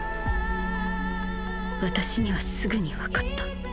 私にはすぐにわかった。